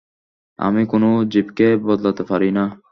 আমি কোনো জীবকে বদলাতে পারি না।